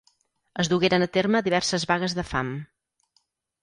Es dugueren a terme diverses vagues de fam.